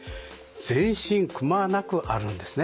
全身くまなくあるんですね。